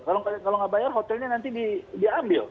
kalau nggak bayar hotelnya nanti diambil